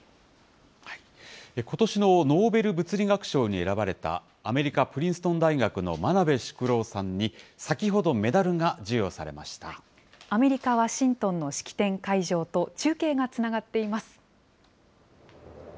ことしのノーベル物理学賞に選ばれた、アメリカ・プリンストン大学の真鍋淑郎さんに、先ほど、メダルがアメリカ・ワシントンの式典会場と、中継がつながっています。